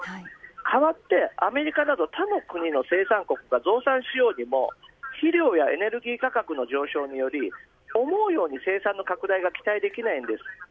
代わって、アメリカなど他の国の生産国が増産しようにも肥料やエネルギー価格の上昇により思うように生産の拡大は期待できないんです。